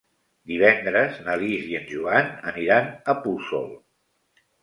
Divendres na Lis i en Joan aniran a Puçol.